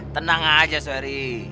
tenang aja suheri